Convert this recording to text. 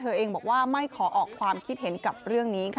เองบอกว่าไม่ขอออกความคิดเห็นกับเรื่องนี้ค่ะ